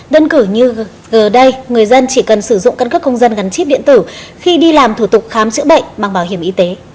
đơn cử như g đây người dân chỉ cần sử dụng căn cấp công dân gắn chip điện tử khi đi làm thủ tục khám chữa bệnh bằng bảo hiểm y tế